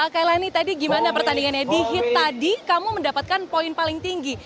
kailani tadi gimana pertandingannya di hit tadi kamu mendapatkan poin paling tinggi